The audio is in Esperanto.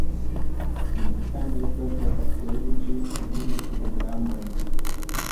Finita nesto povas pezi ĝis kvin kilogramojn..